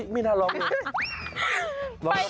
ไม่น่าร้องเลย